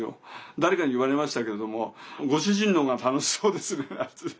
誰かに言われましたけどもご主人のほうが楽しそうですねなんてね。